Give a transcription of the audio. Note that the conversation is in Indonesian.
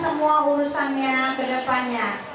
semua urusannya ke depannya